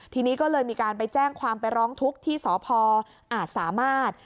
ทีนี้ก็เลยมีการไปแจ้งความไปร้องทุกข์ที่สพอาจสามารถ